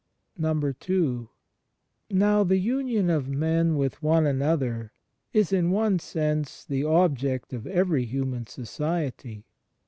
n. Now the union of men with one another is, in one sense, the object of every human society.